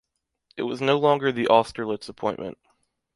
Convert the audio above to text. It was no longer the Austerlitz appointment.